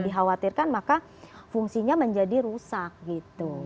dikhawatirkan maka fungsinya menjadi rusak gitu